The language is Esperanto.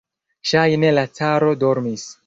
Ŝajne la caro dormis.